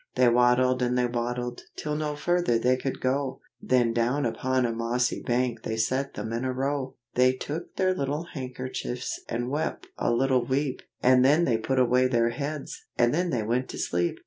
They waddled and they waddled, till no further they could go, Then down upon a mossy bank they sat them in a row. They took their little handkerchiefs and wept a little weep, And then they put away their heads, and then they went to sleep.